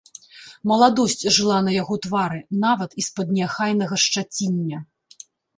Маладосць жыла на яго твары, нават і з-пад неахайнага шчаціння.